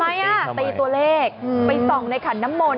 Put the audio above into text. ทำไมอ่ะตีตัวเลขไปส่องในขันน้ำมนต